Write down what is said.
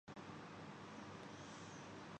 تم مجھے پاگل کر دو گے